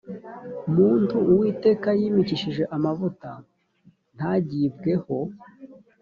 muntu uwiteka yimikishije amavuta ntagibweho